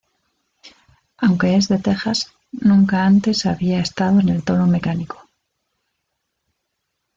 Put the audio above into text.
Aunque es de Texas, nunca antes había estado en el toro mecánico.